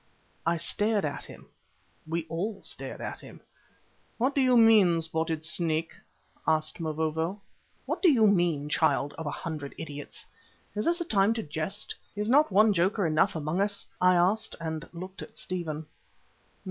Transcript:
I stared at him; we all stared at him. "What do you mean, Spotted Snake?" asked Mavovo. "What do you mean, child of a hundred idiots? Is this a time to jest? Is not one joker enough among us?" I asked, and looked at Stephen.